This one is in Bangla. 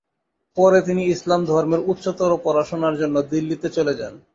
পরে তিনি ইসলাম ধর্মের উচ্চতর পড়াশোনার জন্য দিল্লিতে চলে যান।